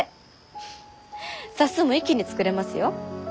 フッ冊数も一気に作れますよ。